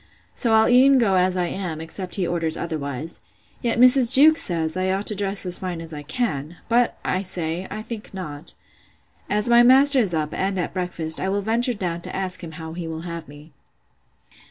So I'll e'en go as I am, except he orders otherwise. Yet Mrs. Jewkes says, I ought to dress as fine as I can.—But I say, I think not. As my master is up, and at breakfast, I will venture down to ask him how he will have me be.